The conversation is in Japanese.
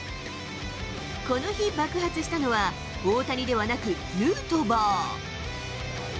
この日、爆発したのは大谷ではなくヌートバー。